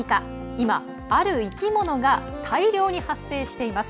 今、ある生き物が大量に発生しています。